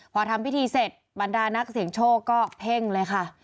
พอทำพิธีเสร็จบรรดานักเสียงโชคก็เพ่งเลยค่ะ